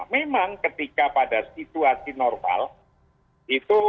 memang ketika pada situasi normal itu